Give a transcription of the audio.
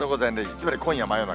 つまり今夜真夜中。